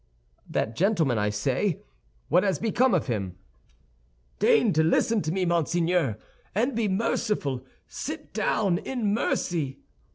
"That gentleman, I say, what has become of him?" "Deign to listen to me, monseigneur, and be merciful! Sit down, in mercy!"